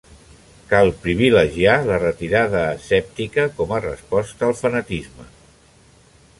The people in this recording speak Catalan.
Cal privilegiar la retirada escèptica com a resposta al fanatisme.